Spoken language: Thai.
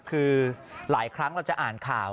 คือหลายครั้งเราจะอ่านข่าว